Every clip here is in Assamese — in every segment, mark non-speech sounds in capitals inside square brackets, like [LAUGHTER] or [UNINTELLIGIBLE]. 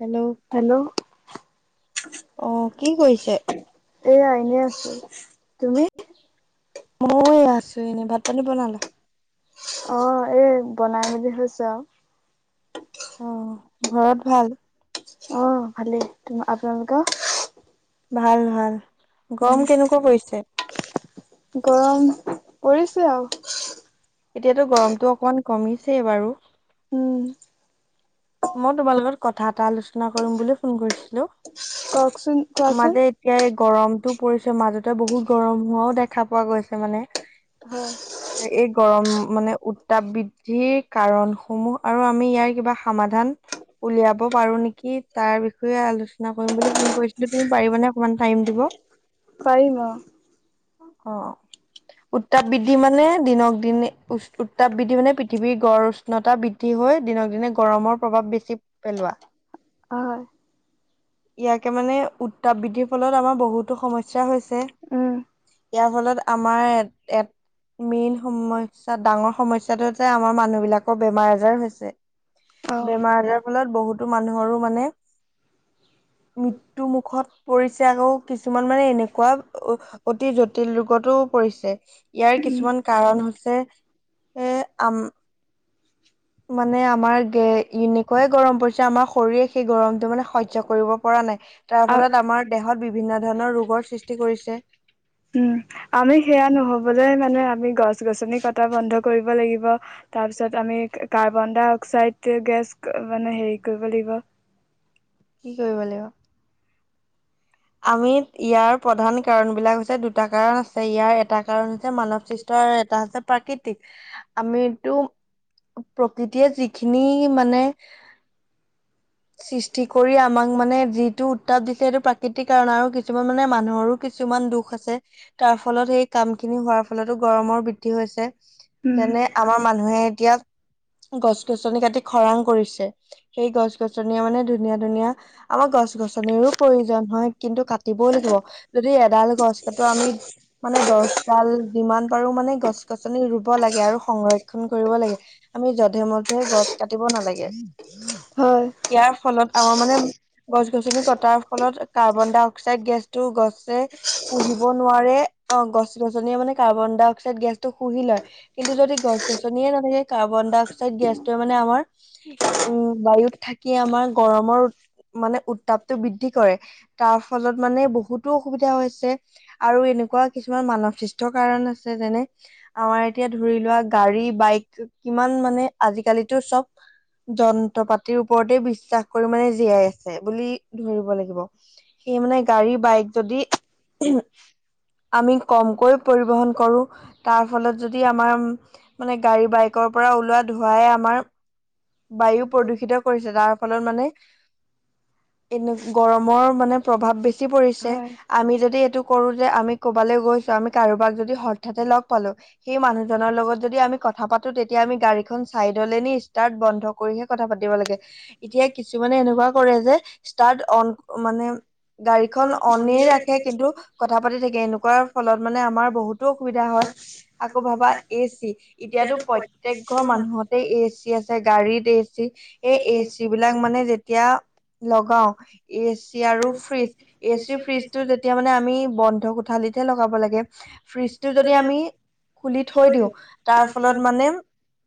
হেল্লো' হেল্লো' এইয়া এনেই আছো, তুমি? মই আছো এনেই, ভাত পানী বনালা? অ এই বনাই মেলি হৈছে আও। অ, ঘৰত ভাল? অ ভালেই, তোম আপোনালোকেৰ? ভাল ভাল, গমৰ কেনেকুৱা পৰিছে? গৰম পৰিছে আও! এতিয়াতো গৰমটো অকমান কমিছেই বাৰু। উম মই তোমাৰ লগত কথা এটা আলোচনা কৰিম বুলি ফোন কৰিছিলো মাজিত এতিয়া গৰমতো পৰিছে মাজতে বহুত গৰম হোৱাও দেখা পোৱা গৈছে মানে হয় আৰু এই গৰম মানে উত্তাপ বৃদ্ধিৰ কাৰণ সমূহ আৰু আমি ইয়াৰ কিবা সমাধান উলিয়াব পাৰো নেকি তাৰ বিষয়ে আলোচনা কৰিম বুলি ফোন কৰিছিলো তুমি পাৰিবা নে অকমান টাইম দিব পাৰিম অ অ উত্তাপ বৃদ্ধি মানে দিনক দিনে উ উত্তাপ বৃদ্ধি মানে পৃথিৱীৰ গড় উষ্ণতা বৃ দ্ধি হৈ দিনক দিনে গৰমৰ প্ৰভাৱ বেছি হয় ইয়াকে মানে উত্তাপ বৃদ্ধিৰ ফলত আমাৰ বহুতো সমস্যা হৈছে ইয়াৰ ফলত আমাৰ এ মেইন সমস্যা ডাঙৰ সমস্যাটো যে আমাৰ মানুহ বিলাকৰ বেমাৰ আজাৰ হৈছে বেমাৰ আজাৰ ফলত বহুতো মানুহৰো মানে মৃত্যু মুখত পৰিছে আকৌ কিছুমান মানে এনেকোৱা উ জটিল ৰোগতো পৰিছে ইয়াৰ কিছুমান কাৰণ হৈছে এ আম মানে আমাৰ গে এনেকয়ে গৰম পৰিছে আমাৰ শৰীৰে সেই গৰমতো মানে সহ্য কৰিব পৰা নাই তাৰ ফলত আমাৰ দেহত বিভিন্ন ধৰণৰ ৰোগৰ সৃষ্টি কৰিছে উম আমি সেয়া নহবলৈ মানে আমি গছ গছনি কটা বন্ধ কৰিব লাগিব। তাৰ পিছত আমি কাৰ্বন ডাই অক্সাইড গেছ মানে হেৰি কৰিব লাগিব। কি কৰিব লাগিব আমি ইয়াৰ প্ৰধান কাৰণ বিলাক হৈছে দুটা কাৰণ আছে ইয়াৰ এটা কাৰণ হৈছে মানৱ সৃষ্ট এটা হৈছে প্ৰাকৃতিক আমিতো প্ৰকৃতিয়ে যিখিনি মানে সৃষ্টি কৰি আমাক মানে যিটো উত্তাপ দিছে সেইটো প্ৰাকৃতিক কাৰণ আৰু কিছুমান মানে মানুহৰো কিছুমান দুখ আছে তাৰ ফলত সেই কামখিনি হোৱাৰ ফলতো গৰমৰ বৃদ্ধি হৈছে যেনে আমাৰ মানুহে এতিয়া গছ গছনি কাটি খৰাং কৰিছে সেই গছ গছনিয়ে মানে ধুনীয়া ধুনীয়া আমাৰ গছ গছ নিৰো প্ৰয়োজন হয় কিন্তু কাটিবও লাগিব যদি এডাল গছ কাটো আমি মানে দছডাল যিমান পাৰো মানে গছ গছনি ৰুব লাগে আৰু সংৰক্ষন কৰিব লাগে আমি যধে মধেে গছ কাটিব নালাগে হয় ইয়াৰ ফলত আমাৰ মানে গছ গছনি কটাৰ ফলত কাৰ্বন ডাই অক্সাইড গেছটো গছে শুহিব নোৱাৰে অ গছ গছনিয়ে মানে কাৰ্বন ডাই অক্সাইড গেছটো শুহি লয় কিন্তু যদি গছ গছনিয়ে নাথাকে কাৰ্বন ডাই অক্সাইড গেছটো মানে আমাৰ উম বায়ুত থাকি আমাৰ গৰমৰ মানে উত্তাপটো বৃদ্ধি কৰে তাৰ ফলত মানে বহুতো অসুবিধা হৈছে আৰু এনেকোৱা কিছুমান মানৱ সৃষ্টৰ কাৰণ আছে যেনে আমাৰ এতিয়া ধৰি লোৱা গাড়ী বাইক কিমান মানে আজি কালিতো চ'ব যন্ত্ৰ পাতিৰ ওপৰতে বিশ্বাস কৰি মানে জীয়াই আছে বুলি ধৰিব লাগিব। এই মানে গাড়ী বাইক যদি আমি কমকৈ পৰিবহন কৰো তাৰ ফলত যদি আমাৰ মানে গাড়ী বাইকৰ পৰা ওলোৱা ধোঁৱাই আমাৰ বায়ু প্ৰদূষিত কৰিছে যাৰ ফলত মানে। এনে গৰমৰ মানে প্ৰভাৱ বেছি পৰিছে, আমি যদি এইটো কৰোঁ যে আমি ক'বালৈ গৈছো আমি কাৰোবাক যদি হঠাতে লগ পালো, সেই মানুহজনৰ লগত যদি আমি কথা পাতো তেতিয়া আমি গাড়ীখন চাইড নি ষ্টাট বন্ধ ক কৰিহে কথা পাতিব লাগে। এতিয়া কিছুমানে এনেকুৱা কৰে যে ষ্টাৰ্ট অন মানে গাড়ীখন অনেই ৰাখে, কিন্তু কথা পাতি থাকে এনেকুৱা ফলত মানে আমাৰ বহুতো অসুবিধা হয়। আকৌ ভাবা এচি, এতিয়াতো প্ৰত্যয়েক ঘৰ মানুহতে এচি আছে। গাড়ীত এচি, এই এচি বিলাক মানে যেতিয়া লগাও এচি আৰু ফ্ৰিজ এচি ফ্ৰিজ টো তেতিয়া মানে আমি বন্ধ কোঠালিত লগাব লাগে, ফ্ৰিজটো যদি আমি খুলি থৈ দিওঁ তাৰ ফলত মানে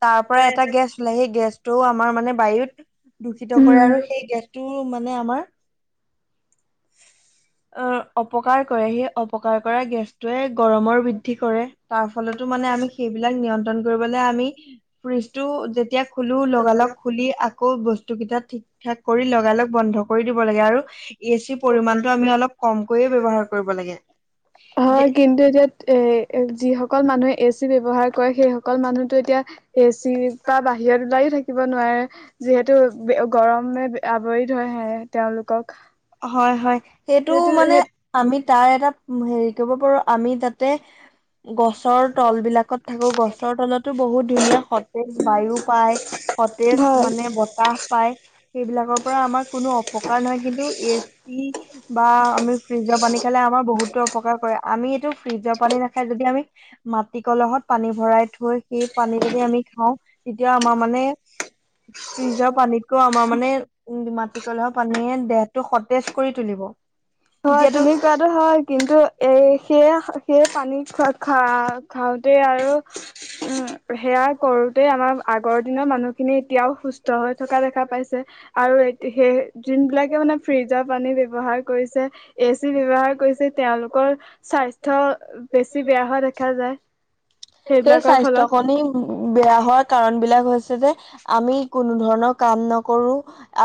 তাৰ পৰা এটা গেছ ওলাই, সেই গেছটোও আমাৰ মানে বায়ুত দূষিত কৰে আৰু সেই গেছটো টো মানে আমাৰ। অঁ অপকাৰ কৰে সেই অপকাৰ কৰা গেছটোৱে গৰমৰ বৃদ্ধি কৰে। তাৰ ফলতো মানে আমি সেইবিলাক নিয়ন্ত্ৰণ কৰিবলে আমি ফ্ৰিজটো যে এতিয়া খুলো লগালগ খুলি আকৌ বস্তু কেইটা ঠিক ঠিক ঠাক কৰি লগাই লগ বন্ধ কৰি দিব লাগে, আৰু এ চি পৰিমণটো আমি অলপ কমকৈ ব্যবহাৰ কৰিব লাগে। এ যিসকল মানুহে এচি ব্যৱহাৰ কৰে সেই অকল মানুহতো এতিয়া এচি বা বাহিৰত ওলাইও থাকি থাকিব নোৱাৰে, যিহেতু গৰমে আৱৰি ধৰে আহে তেওঁলোক হয় হয়, সেইটো মানে আমি তাৰ এটা হেৰি কৰিব পাৰো, আমি তাতে গছৰ তল বিলাকত থাকো গছৰ তলতো বহুত ধুনীয়া সতেজ বায়ু পায়। সতেজ মানে বতাহ পাই। সেইবিলাকৰ পৰা আমাৰ কোনো অপকাৰ নহয়, কিন্তু এছ পি বা আমি ফ্ৰিজৰ পানী খালে আমাৰ বহুতো অপকাৰ কৰে। আমি এইটো ফ্ৰিজৰ পানী নাখাই যদি আমি মাটি কলহত পানী ভৰাই থৈ সেই পানী যদি আমি খাওঁ, তেতিয়া আমাৰ মানে ফ্ৰিজৰ পানীতকৈয়ো আমাৰ মানে উম মাটিকলহৰ পানীয়ে দেহ টো সতেজ কৰি তুলিব। এতিয়াতো টো হয় কিন্তু এই সেয়ে সেইয়ে পানী খোৱা খা খাওঁতে আৰু উম সেয়া কৰোতে আমাৰ আগৰ দিনৰ মানুহখিনি এতিয়াও সুস্থ হৈ থকা দেখা পাইছে। আৰু সেই যোন বিলাকে মানে ফ্ৰিজৰ পানী ব্যৱহাৰ কৰিছে। এচি ব্যৱহাৰ কৰিছে তেওঁলোকৰ স্বাস্থ্য বেছি বেয়া হোৱা দেখা যায়। সেই স্বাস্থ্য খিনি বেয়া হোৱা কাৰণ বিলাক হৈছে যে, আমি কোনো ধৰণৰ কাম নকৰো।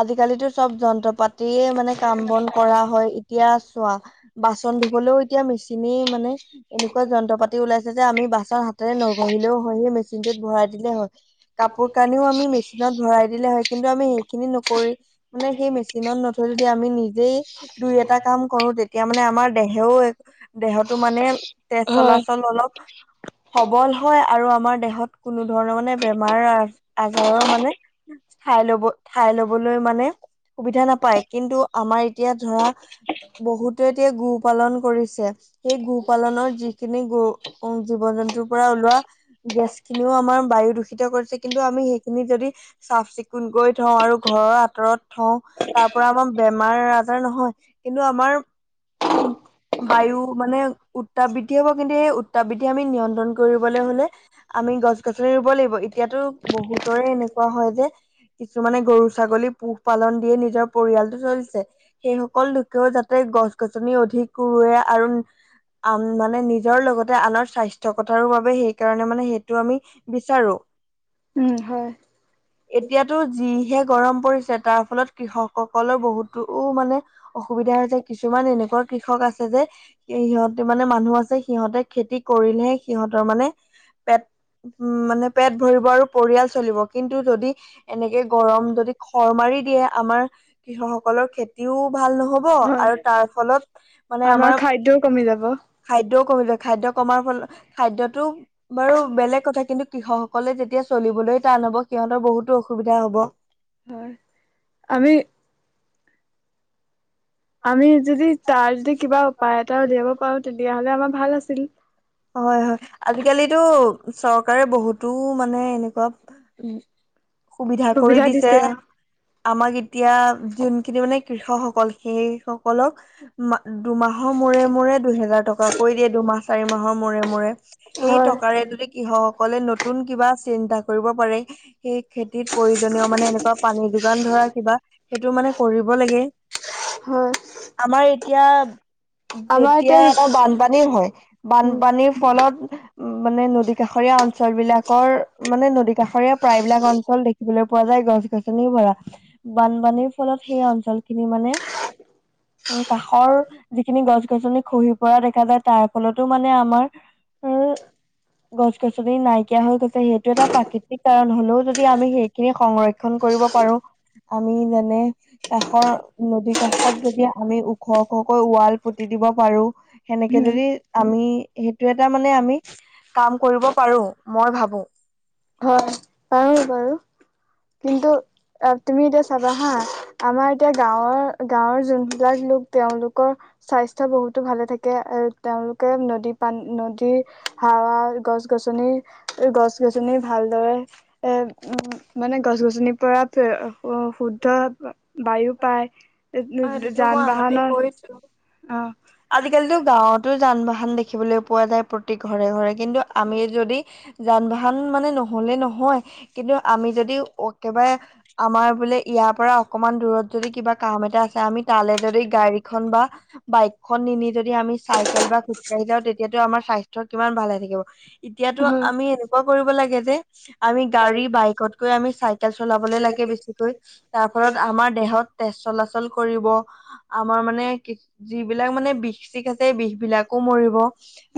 আজিকালিতো চব যন্ত্ৰ পাতিয়ে মানে কাম বন কৰা হয়। এতিয়া চোৱা বাচন ধুবলৈও এতিয়া মেচিনে মানে এনেকুৱা যন্ত্ৰ পাতি ওলাইছে যে আমি বাচনৰ হাতেৰে নঘহিলেও সেই মেচিনটোত ভৰাই দিলে হয়। কাপোৰ কানিও আমি মি চিনত ভৰাই দিলে হয়। কিন্তু আমি সেইখিনি নকৰি মানে সেই মেচিনত নথৈ যদি আমি নিজেই দুই এটা কাম কৰো। তেতিয়া মানে আমাৰ দেহেও দেহতো মানে তেজ চলাচল অলপ সবল হয় আৰু আমাৰ দেহত কোনো ধৰণৰ মানে বেমাৰ আজাৰৰ মানে ঠাই লব ঠাই লবলৈ মানে। সুবিধা নাপায় কিন্তু আমাৰ এতিয়া ধৰা বহুতে এতিয়া গো পালন কৰিছে সেই গো পালনৰ যিখিনি গ জীৱ জন্তুৰ পৰা ওলোৱা গেছ খিনিও আমাৰ বায়ু দূষিত কৰিছে কিন্তু আমি সেইখিনি যদি চাফ চিকুণ কুণকৈ থওঁ আৰু ঘৰৰ আঁতৰত থওঁ তাৰ পৰা আমাৰ বেমাৰ আজাৰ নহয় কিন্তু আমাৰ বায়ু মানে উত্তাপ বৃদ্ধি হব কিন্তু সেই উত্তাপ বৃদ্ধি আমি নিয়ন্ত্ৰণ কৰিবলৈ হলে আমি গছ গছনি ৰুব লাগিব এতিয়াতো বহুতৰে এনেকুৱা হয় যে কিছুমানে গৰু ছাগলী পোহ পালন দিয়ে নিজৰ পৰিয়ালটো চলিছে সেই সকল য যাতে তে গছ গছনি অধিক ৰুৱে আৰু আম মানে নিজৰ লগতে আনৰ স্বাস্থ্য কথাৰো বাবে সেইকাৰণে ম সেইটো আমি বিচাৰো এতিয়াতো যিহে গৰম পৰিছে তাৰ ফলত কৃষকসকলৰ বহুতো মানে অসুবিধা হৈছে কিছুমান এনেকুৱা কৃষক আছে যে স -সিহঁতে মানে মানুহ আছে সিহঁতে খেতি কৰিলেহে সিহঁতৰ মানে পেট উ মানে পেট ভৰিব আৰু পৰিয়াল চলিব কিন্তু যদি এনেকে গৰম যদি খৰ মাৰি দিয়ে আমাৰ কৃষক সকলৰ খেতিও ভাল নহব আৰু তাৰ ফলত মানে আমাৰ খাদ্যও কমিলে খাদ্য কমাৰ ফলত খাদ্যটো বাৰু বেলেগ কথা কিন্তু কৃষকসকলে যেতিয়া চলিবলৈ টান হব সিহঁতৰ বহুতো অসু হয় আমি আমি যদি তাৰ যদি কিবা উপায় এটা উলিয়াব পাৰো তেতিয়াহ'লে আমাৰ ভাল আছিল হয় হয় আজিকালিতো চৰকাৰে বহুতো মানে এনেকুৱা সুবিধা কৰি দিছে আমাক এতিয়া যোনখিনি মানে কৃষকসকল সেই সকলক দুমাহৰ মূৰে মূৰে দুইহেজাৰ টকা কৈ দিয়ে দুমাহ চাৰি মাহৰ মূৰে মূৰে সেই টকাৰে যদি কৃষক সকলে নতুন কিবা চিন্তা কৰিব পাৰে সেই খেতিত প্ৰয়োজনীয় মানে এনেকুৱা পানী যোগান ধৰা কিবা সেইটো মানে কৰিব লাগে হয় আমাৰ এতিয়া যেতিয়া আমাৰ বানপানী হয় বানপানী সেই ফলত উ মানে নদী কাষৰীয়া অঞ্চল বিলাকৰ মানে নদী কাষৰীয়া প্ৰায়বিলাক অঞ্চল দেখি দেখিবলৈ পোৱা যায় গছ গছনি ভৰা বানপানীৰ ফলত সেই অঞ্চল খিনি মানে উম কাষৰ যিখিনি গছ গছনি খহি পৰা দেখা যায় তাৰ ফলতো মানে আমাৰ [UNINTELLIGIBLE] গছ গছনি নাইকিয়া হৈ গৈছে সেইটো এটা প্ৰাকৃতিক কাৰণ হলেও যদি আমি স সেই সংৰক্ষণ কৰিব পাৰো আমি যেনে কাষৰ নদীত গাছত যদি আমি ওখ ওখকৈ ৱাল পুতি দিব পাৰো সেনেকে যদি আমি সেইটো এটা মানে আমি কাম কৰিব পাৰো মই ভাবোঁ হয় পাৰি বাৰু কিন্তু অ তুমি এতিয়া চাবা হা আমাৰ এতিয়া গাঁৱৰ গাঁৱৰ যোনটো [UNINTELLIGIBLE] লোক তেওঁলোকৰ স্বাস্থ্য বহুতো ভালে থাকে এ তেওঁলোকে নদী পানী নদীৰ হাৱা গছ গছনি গছ গছনি ভালদৰে এ উ মানে গছ গছনিৰ পৰা শুদ্ধ বায়ু পায়। যান বাহনৰ আজিকালিতো গাঁৱতো যান বাহন দেখিবলৈ পোৱা যায় প্ৰতি ঘৰে ঘৰে কিন্তু, ত আমি যদি যান বাহন মানে নহলে নহয় কিন্তু আমি যদি অ একেবাৰে আমাৰ বোলে ইয়া পৰা অকমান দূৰত যদি কিবা কাম এটা আছে আমি তালে যদি গাড়িখন বা বাইকখন নিনি যদি আমি চাইকেল বা খোজ কঢ়ি যাও তেতিয়াতটো আমাৰ স্বাস্থ্য কিমান ভালে থাকিব এতিয়াতো আমি এনেকুৱা কৰিব লাগে যে- আমি গাড়ী বাইকতকৈ আমি চাইকেল চলাবলৈ লাগে বেছিকৈ। তাৰ ফলত আমাৰ দেহত তেজ চলাচল- কৰিব আমাৰ মানে কিছ যিবিলাক মানে বিষ চিষ আছে সেই বিষ বিলাকো মৰিব।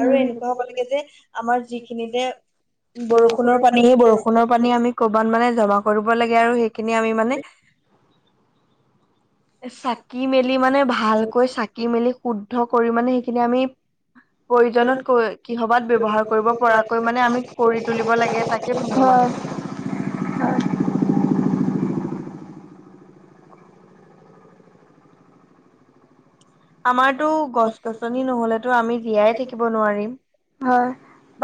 আৰু এনেকুৱা হব লাগে যে আমাৰ যিখিনিতে বৰষুণৰ পানী বৰষুণৰ পানী আমি কবাত মানে জমা কৰিব লাগে আৰু সেইখিনি আমি মানে- চাকি মেলি মানে ভালকৈ চাকি মেলি শুদ্ধ কৰি মানে সেইখিনি আমি- প্ৰয়োজনত কৈ কিহবাত ব্যৱহাৰ কৰিব পৰাকৈ মানে আমি কৰি তুলিব লাগে তাকে ভাবো মানে। আমাৰতো গছ গছনি নহলেতো আমি জীয়াই থাকিব নোৱাৰিম। হয়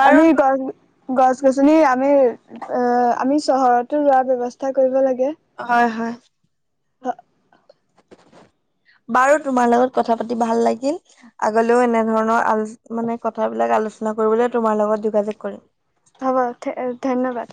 আমি গছ গছ গছনি আমি এ আমি চহৰত তো ৰোৱা ব্যৱস্থা কৰিব লাগে। হয় হয়। হ বাৰু তোমাৰ লগত কথা পাতি ভাল লাগিল। আগলেও এনে ধৰণৰ আল মানে কথাবিলাক আলোচনা কৰিবলৈ তোমাৰ লগত যোগাযোগ কৰিম। হব ধে ধন্যবাদ।